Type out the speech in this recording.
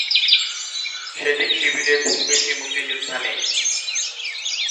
সেদিন শিবিরে খুব বেশি মুক্তিযোদ্ধা নেই।